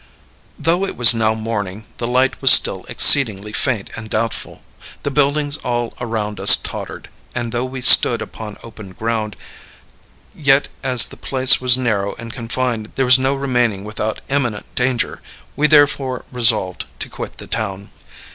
Though it was now morning, the light was still exceedingly faint and doubtful; the buildings all around us tottered, and though we stood upon open ground, yet as the place was narrow and confined there was no remaining without imminent danger; we therefore resolved to quit the town.